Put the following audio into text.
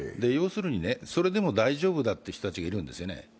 それでも大丈夫だという人たちがいるんですね。